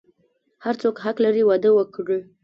هر څوک حق لری واده وکړی